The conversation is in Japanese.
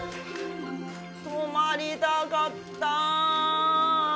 泊まりたかった。